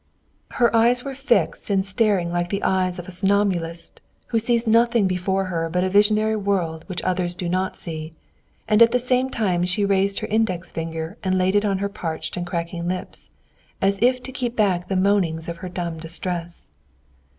Her eyes were fixed and staring like the eyes of a somnambulist who sees nothing before her but a visionary world which others do not see, and at the same time she raised her index finger and laid it on her parched and cracking lips, as if to keep back the moanings of her dumb distress.